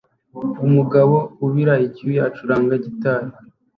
Umugabo ubira icyuya acuranga gitari